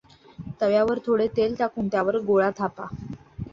तव्यावर थोडे तेल घालून त्यावर गोळा थापा.